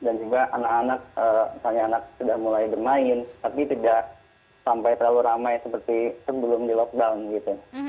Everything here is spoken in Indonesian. dan juga anak anak tanya anak sudah mulai bermain tapi tidak sampai terlalu ramai seperti sebelum di lockdown gitu